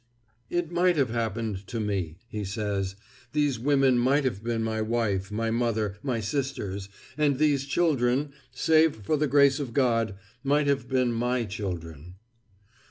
"It might have happened to me," he says; "these women might have been my wife, my mother, my sisters, and these children, save for the grace of God, might have been my children."